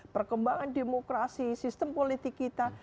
perkembangan demokrasi sistem politik kita